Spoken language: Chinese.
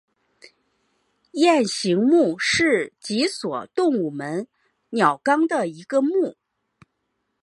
雁形目是脊索动物门鸟纲的一个目。